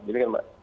jadi kan pak